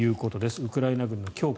ウクライナ軍の強化